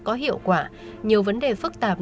có hiệu quả nhiều vấn đề phức tạp